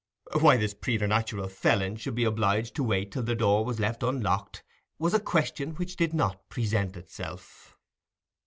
Why this preternatural felon should be obliged to wait till the door was left unlocked, was a question which did not present itself.